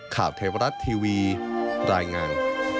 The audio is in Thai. ข่าวเทวรัฐทีวีรายงาน